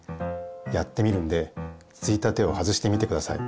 やってみるんでついたてを外してみてください。